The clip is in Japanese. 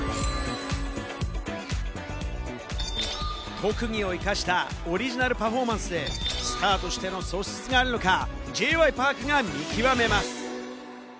特技を生かしたオリジナルパフォーマンスで、スターとしての素質があるのかＪ．Ｙ．Ｐａｒｋが見極めます。